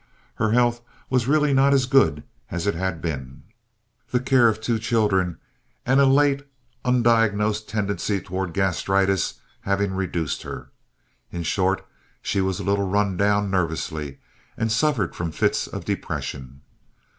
Her health was really not as good as it had been—the care of two children and a late undiagnosed tendency toward gastritis having reduced her. In short she was a little run down nervously and suffered from fits of depression.